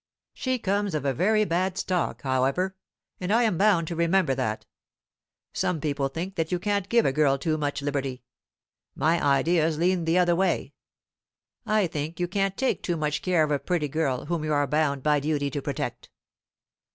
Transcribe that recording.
She comes of a very bad stock, however; and I am bound to remember that. Some people think that you can't give a girl too much liberty. My ideas lean the other way. I think you can't take too much care of a very pretty girl whom you are bound by duty to protect."